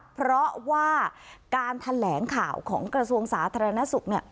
เพราะว่าการแถลงข่าวของกระทรวงศาสตร์ธรรณสุขเนี่ย